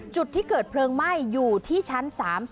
จุดที่เกิดเพลิงไหม้อยู่ที่ชั้น๓๐